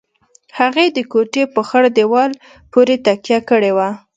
هغې د کوټې په خړ دېوال پورې تکيه کړې وه.